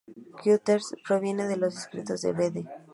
Cuthbert", provienen de los escritos de "Bede".